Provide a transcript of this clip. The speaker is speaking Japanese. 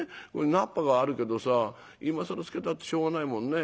菜っぱがあるけどさ今更漬けたってしょうがないもんね」。